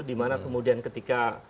dimana kemudian ketika